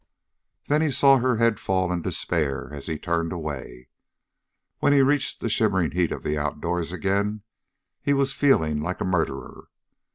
Then he saw her head fall in despair, as he turned away. When he reached the shimmering heat of the outdoors again, he was feeling like a murderer.